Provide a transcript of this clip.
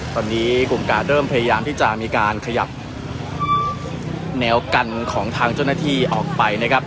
ตอนนี้กลุ่มการเริ่มพยายามที่จะมีการขยับแนวกันของทางเจ้าหน้าที่ออกไปนะครับ